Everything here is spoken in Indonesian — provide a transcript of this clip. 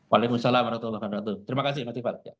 waalaikumsalam warahmatullahi wabarakatuh terima kasih mas ipal